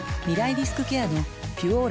リスクケアの「ピュオーラ」